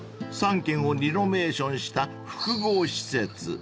［３軒をリノベーションした複合施設］